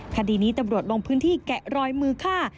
คดีนี้ตำรวจลงพื้นที่แกะรอยมือฆ่า